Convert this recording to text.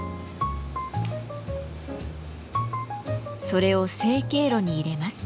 それを成形炉に入れます。